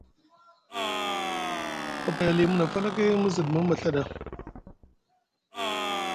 Kapay alimu na falakay mu zuɗumu maɵa ɗa?